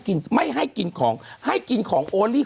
คุณหนุ่มกัญชัยได้เล่าใหญ่ใจความไปสักส่วนใหญ่แล้ว